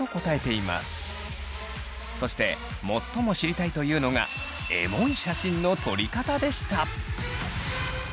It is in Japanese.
そして最も知りたいというのがエモい写真の撮り方でした。